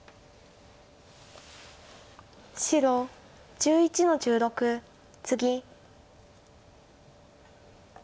白１１の十六ツギ。